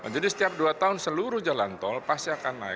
jadi setiap dua tahun seluruh jalan tol pasti akan naik